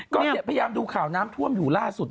ก็พยายามดูข่าวน้ำท่วมอยู่ล่าสุด